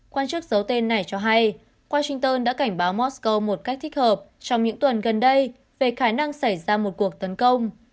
quan chức giấu tên này cho hay washington đã cảnh báo mosco một cách thích hợp trong những tuần gần đây về khả năng xảy ra một cuộc tấn công